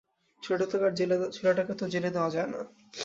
ছেলেটাকে তো জেলে দেওয়া যায় না।